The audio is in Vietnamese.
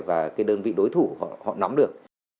và cái đơn vị đối thủ họ nắm được